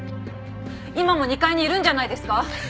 今も２階にいるんじゃないですか？